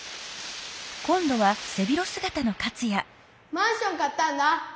マンション買ったんだ。